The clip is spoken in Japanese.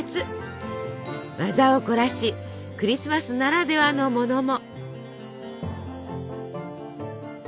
技を凝らしクリスマスならではのものも。